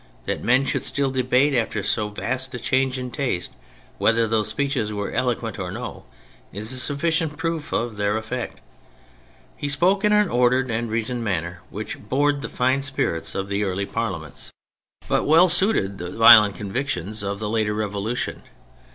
That men should still debate, after so vast a change in taste, whether those speeches were eloquent or no, is a sufficient proof of their effect. He spoke in an ordered and a reasoned manner, which bored the fine spirits of the earlier Parliaments, THE PHASES 83 but well suited the violent convictions of the later Revolution.